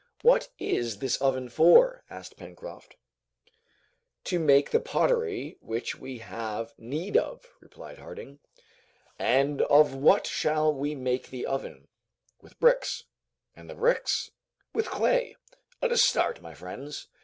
"What is this oven for?" asked Pencroft. "To make the pottery which we have need of," replied Harding. "And of what shall we make the oven?" "With bricks." "And the bricks?" "With clay. Let us start, my friends.